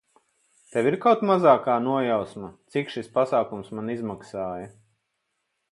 Tev ir kaut mazākā nojausma, cik šis pasākums man izmaksāja?